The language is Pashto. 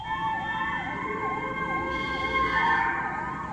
خپل لویې موږک ته اوه سره بلا سوه،